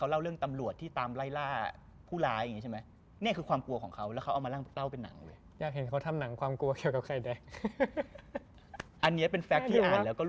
แล้วความกลัวของเขาก็แปลก